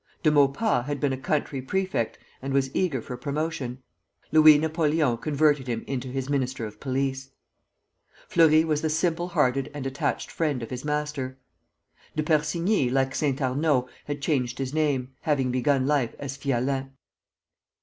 De Maupas had been a country prefect, and was eager for promotion. Louis Napoleon converted him into his Minister of Police. Fleury was the simple hearted and attached friend of his master. De Persigny, like Saint Arnaud, had changed his name, having begun life as Fialin.